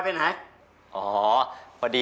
จัดเต็มให้เลย